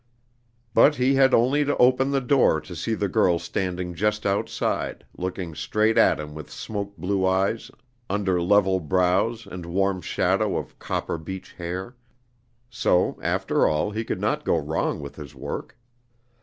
But he had only to open the door to see the girl standing just outside, looking straight at him with smoke blue eyes under level brows and warm shadow of copper beech hair; so after all he could not go wrong with his work.